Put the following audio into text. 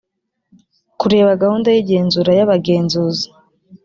kureba gahunda y igenzura y abagenzuzi